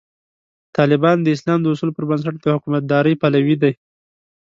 طالبان د اسلام د اصولو پر بنسټ د حکومتدارۍ پلوي دي.